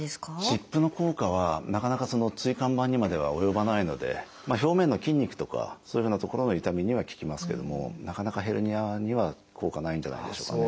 湿布の効果はなかなか椎間板にまでは及ばないので表面の筋肉とかそういうふうな所の痛みには効きますけどもなかなかヘルニアには効果ないんじゃないでしょうかね。